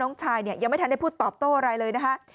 ชายเนี่ยยังไม่ทันได้พูดตอบโต้อะไรเลยนะคะ